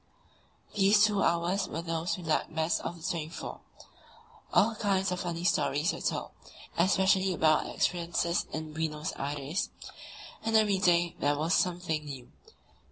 These two hours were those we liked best of the twenty four. All kinds of funny stories were told, especially about experiences in Buenos Aires, and every day there was something new.